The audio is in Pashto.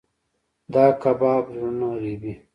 دا کباب زړونه رېبي.